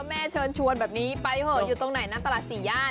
แม่เชิญชวนแบบนี้ไปเถอะอยู่ตรงไหนนะตลาดสี่ย่าน